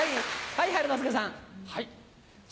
はい。